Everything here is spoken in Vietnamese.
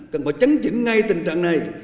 cần phải chấn chỉnh ngay tình trạng này